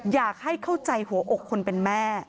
อยากให้เข้าใจหัวอกคนเป็นแม่